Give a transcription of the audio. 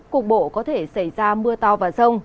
cục bộ có thể xảy ra mưa to và rông